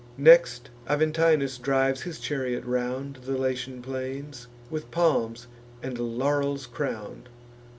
Next Aventinus drives his chariot round The Latian plains, with palms and laurels crown'd.